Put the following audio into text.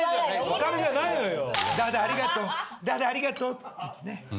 お金じゃないのよ。